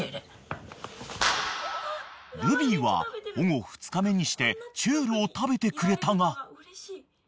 ［ルビーは保護２日目にしてちゅるを食べてくれたが］